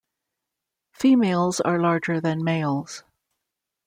Females are larger than males.